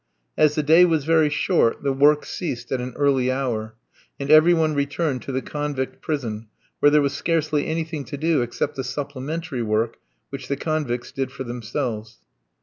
As the day was very short, the work ceased at an early hour, and every one returned to the convict prison, where there was scarcely anything to do, except the supplementary work which the convicts did for themselves.